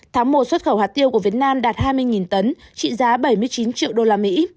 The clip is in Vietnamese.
tháng một xuất khẩu hạt tiêu của việt nam đạt hai mươi tấn trị giá bảy mươi chín triệu đô la mỹ